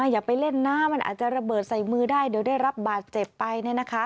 อย่าไปเล่นน้ำมันอาจจะระเบิดใส่มือได้เดี๋ยวได้รับบาดเจ็บไป